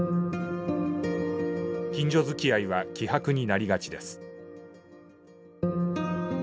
近所づきあいは希薄になりがちです。